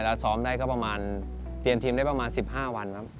แล้วซ้อมได้ก็ประมาณเตรียมทีมได้ประมาณ๑๕วันครับ